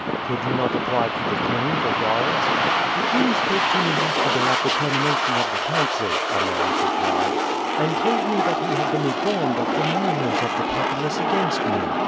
"Could you not apply to the king for guards?" "The king spoke to me yesterday at the termination of the council," Ameres replied, "and told me that he had been informed of the murmurs of the populace against me.